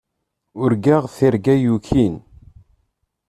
Urgaɣ tirga yukin.